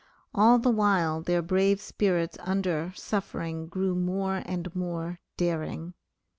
All the while their brave spirits under suffering grew more and more daring.